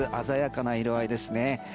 鮮やかな色合いですね。